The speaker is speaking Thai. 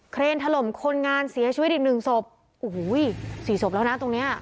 เครนถล่มคนงานเสียชีวิตอีกหนึ่งศพโอ้โหสี่ศพแล้วนะตรงเนี้ย